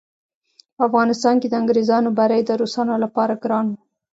په افغانستان کې د انګریزانو بری د روسانو لپاره ګران وو.